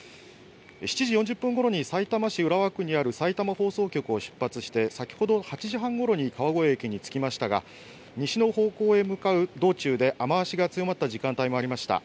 ７時４０分ごろにさいたま市浦和区にあるさいたま放送局を出発して先ほど８時半ごろに川越駅に着きましたが西の方向へ向かう道中で雨足が強まった時間帯もありました。